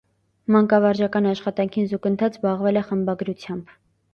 Մանկավարժական աշխատանքին զուգընթաց զբաղվել է խմբագրությամբ։